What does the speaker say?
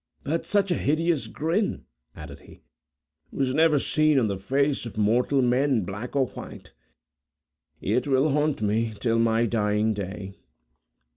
"But, such a hideous grin," added he, "was never seen on the face of mortal man, black or white! It will haunt me till my dying day."